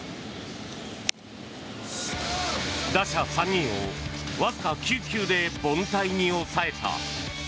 打者３人をわずか９球で凡退に抑えた。